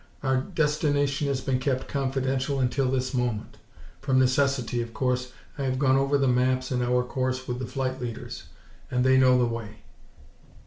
Our destination has been kept confidential until this moment. From necessity, of course, I have gone over the maps and our course with the flight leaders. They know the way.